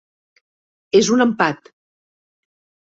És un empat.